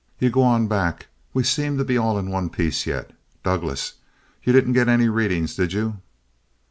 You go on back, we seem to be all in one piece yet. Douglass, you didn't get any readings, did you?"